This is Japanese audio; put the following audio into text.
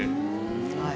はい。